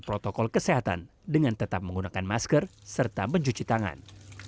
protokol kesehatan dengan tetap menggunakan masker serta mencuci tangan